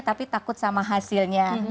tapi takut sama hasilnya